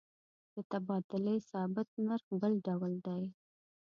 د تبادلې ثابت نرخ بل ډول دی.